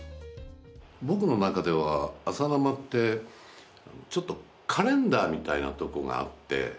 僕の中では『朝生』ってちょっとカレンダーみたいなとこがあって。